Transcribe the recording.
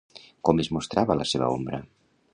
Com es mostrava la seva ombra?